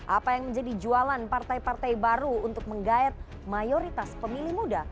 apa yang menjadi jualan partai partai baru untuk menggayat mayoritas pemilih muda